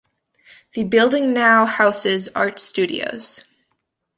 The building now houses art studios.